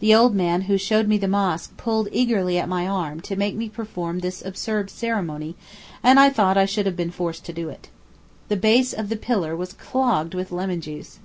The old man who showed the mosque pulled eagerly at my arm to make me perform this absurd ceremony, and I thought I should have been forced to do it. The base of the pillar was clogged with lemon juice.